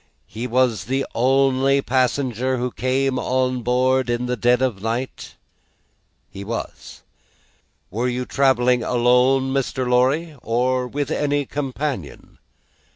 He was the only passenger who came on board in the dead of the night?" "He was." "Were you travelling alone, Mr. Lorry, or with any companion?"